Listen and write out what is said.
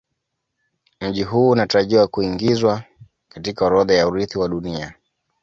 Mji huu unatarajiwa kuingizwa katika orodha ya Urithi wa Dunia